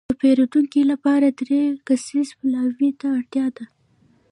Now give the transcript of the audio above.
د پېرودنې لپاره دری کسیز پلاوي ته اړتياده.